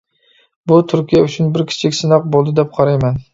بۇ تۈركىيە ئۈچۈن بىر كىچىك سىناق بولدى دەپ قارايمەن.